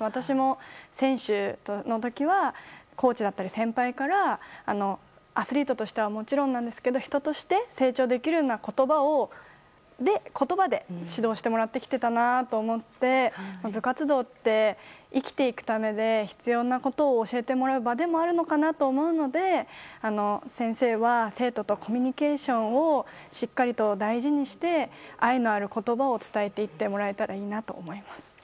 私も選手の時はコーチだったり先輩からアスリートとしてはもちろんですが、人として成長できるような言葉で指導してもらってきてたなと思って部活動って生きていくために必要なことを教えてもらう場でもあるのかなと思って先生は生徒とコミュニケーションしっかりと大事にして愛のある言葉を伝えていってもらえたらなと思います。